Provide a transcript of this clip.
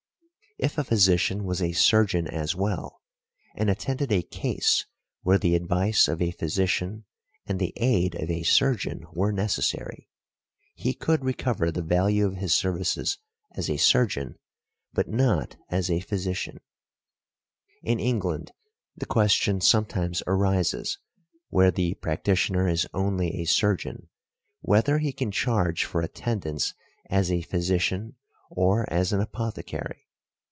If a physician was a surgeon as well, and attended a case where the advice of a physician and the aid of a surgeon were necessary, he could recover the value of his services as a surgeon but not as a physician . In England the question sometimes arises, where the practitioner is only a surgeon, whether he can charge for attendance as a physician or as an apothecary.